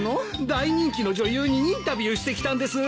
大人気の女優にインタビューしてきたんです。